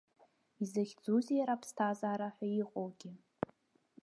Изахьӡузеи иара аԥсҭазаара ҳәа иҟоугьы?